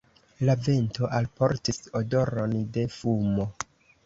La vento alportis odoron de fumo.